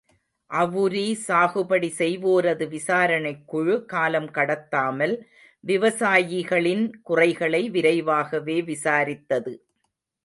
அவுரி சாகுபடி செய்வோரது விசாரணைக் குழு காலம் கடத்தாமல் விவசாயிகளின் குறைகளை விரைவாகவே விசாரித்தது.